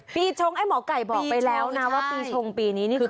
ชงไอ้หมอไก่บอกไปแล้วนะว่าปีชงปีนี้นี่คือ